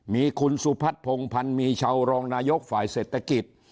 มีคุณซุภักษ์พงภัณฑ์มีเช่ารองนายกฝ่ายเศรษฐกิจ